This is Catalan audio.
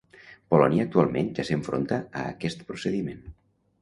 Polònia actualment ja s’enfronta a aquest procediment.